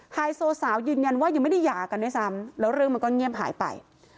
ไฮโซสาวยืนยันว่ายังไม่ได้หย่ากันด้วยซ้ำแล้วเรื่องมันก็เงียบหายไป